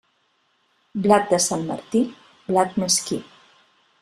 Blat de Sant Martí, blat mesquí.